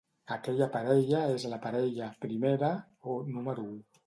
Aquella parella és la parella "primera" o "número u".